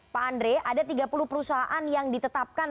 pak andre ada tiga puluh perusahaan yang ditetapkan